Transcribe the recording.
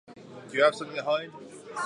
Do you have something to hide?